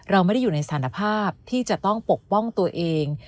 เราไม่ได้อยู่ในสถานภาพที่จะต้องปกป้องตัวเอง